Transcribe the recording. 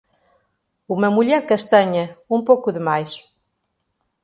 Uma mulher castanha, um pouco demais.